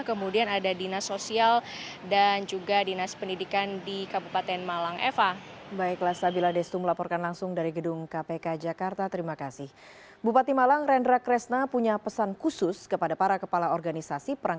kemudian ada dinas sosial dan juga dinas pendidikan di kabupaten malang